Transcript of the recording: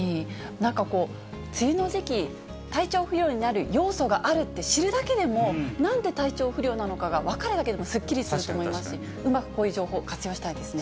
なんかこう、梅雨の時期、体調不良になる要素があるって知るだけでも、なんで体調不良なのかが分かるだけでもすっきりすると思いますし、うまくこういう情報、活用したいですね。